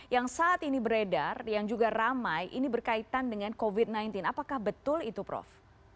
yang saat ini beredar yang juga ramai ini berkaitan dengan covid sembilan belas apakah betul itu prof